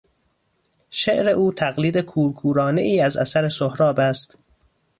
شعر او تقلید کورکورانهای از اثر سهراب است.